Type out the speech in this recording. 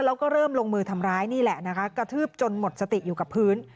แล้วก็เริ่มลงมือทำร้ายนี่แหละนะคะกระทืบจนหมดสติอยู่กับพื้น